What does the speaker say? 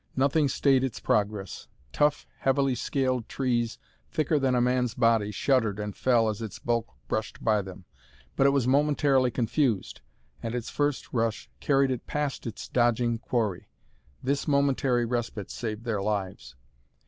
Nothing stayed its progress. Tough, heavily scaled trees thicker than a man's body shuddered and fell as its bulk brushed by them. But it was momentarily confused, and its first rush carried it past its dodging quarry. This momentary respite saved their lives.